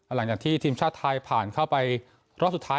หลังจากที่ทีมชาติไทยผ่านเข้าไปรอบสุดท้าย